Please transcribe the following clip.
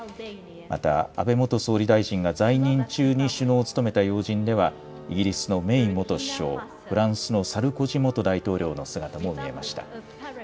また、安倍元総理大臣が在任中に首脳を務めた要人では、イギリスのメイ元首相、フランスのサルコジ元大統領の姿も見えました。